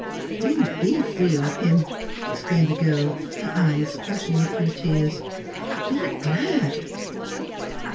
"Then be free of him!" exclaimed the girl, her eyes flashing through tears. "Be glad!"